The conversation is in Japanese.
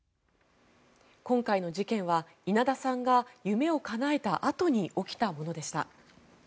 今回の事件は稲田さんが夢をかなえたあとに起きたものでした。